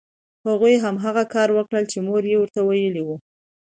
هغوی هماغه کار وکړ چې مور یې ورته ویلي وو